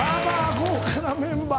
豪華なメンバー。